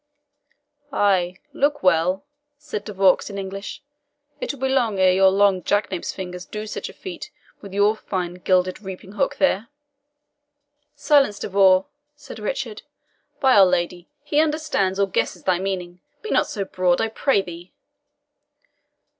"Ay, look well," said De Vaux in English, "it will be long ere your long jackanape's fingers do such a feat with your fine gilded reaping hook there." "Silence, De Vaux," said Richard; "by Our Lady, he understands or guesses thy meaning be not so broad, I pray thee."